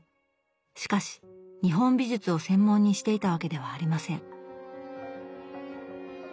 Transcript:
しかし日本美術を専門にしていたわけではありません。